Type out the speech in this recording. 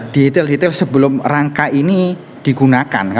detail detail sebelum rangka ini digunakan